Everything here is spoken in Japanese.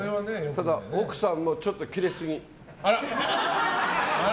ただ奥さんもちょっとキレすぎ。